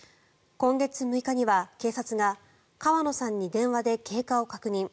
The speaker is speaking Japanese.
今月６日には警察が川野さんに電話で経過を確認。